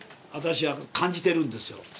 私は感じてるんですよ